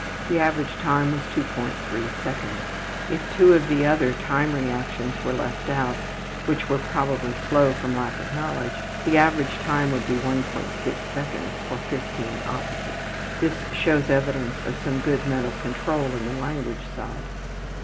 The average time was 2.3 seconds. If two of the other time reactions were left out, which were probably slow from lack of knowledge, the average time would be 1.6 seconds for 15 opposites. This shows evidence of some good mental control on the language side.